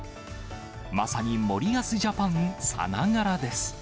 まさに森保ジャパンさながらです。